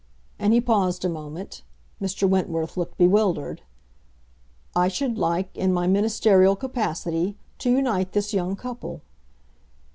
And he paused a moment; Mr. Wentworth looked bewildered. "I should like, in my ministerial capacity, to unite this young couple."